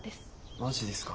マジですか？